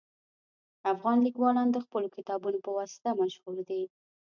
افغان لیکوالان د خپلو کتابونو په واسطه مشهور دي